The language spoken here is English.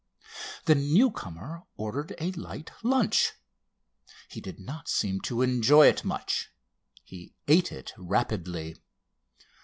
The newcomer ordered a light lunch. He did not seem to enjoy it much. He ate it rapidly.